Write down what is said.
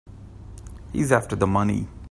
He's after the money.